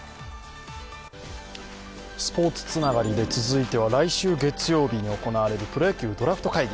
スポーツつながりで、続いては来週月曜日に行われるプロ野球ドラフト会議。